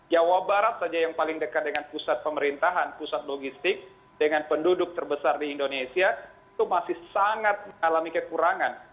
jawa barat saja yang paling dekat dengan pusat pemerintahan pusat logistik dengan penduduk terbesar di indonesia itu masih sangat mengalami kekurangan